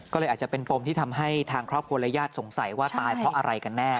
ก็เลยเป็นปมที่ทำให้คนคนสงสัยว่าตายเพราะอะไรกันแน่